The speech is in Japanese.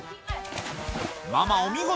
ママ、お見事。